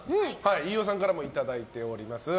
飯尾さんからもいただいております。